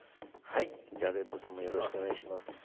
はいじゃあレッドさんもよろしくお願いします。